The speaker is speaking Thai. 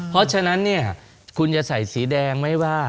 เพราะฉะนั้นเนี่ยคุณจะใส่สีแดงไหมว่า